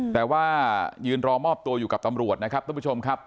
แต่ว่ายืนรอมอบตัวอยู่กับตำรวจนะครับท่านผู้ชมครับ